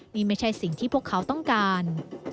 นี่ไม่ใช่สิ่งที่พวกเขาต้องการ